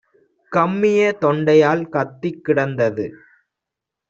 கம்மிய தொண்டையால் கத்திக் கிடந்தது!